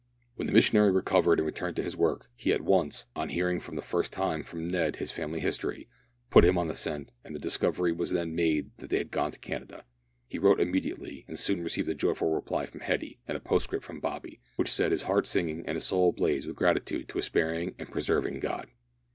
When the missionary recovered and returned to his work, he at once on hearing for the first time from Ned his family history put him on the scent, and the discovery was then made that they had gone to Canada. He wrote immediately, and soon received a joyful reply from Hetty and a postscript from Bobby, which set his heart singing and his soul ablaze with gratitude to a sparing and preserving God.